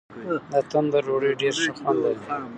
د تندور ډوډۍ ډېر ښه خوند لري.